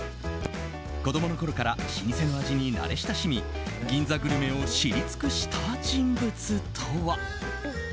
子供のころから老舗の味に慣れ親しみ銀座グルメを知り尽くした人物とは。